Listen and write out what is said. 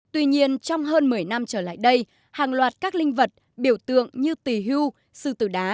tuy nhiên trong hơn một mươi năm trở lại đây hàng loạt các linh vật biểu tượng như tùy hưu sư tử đá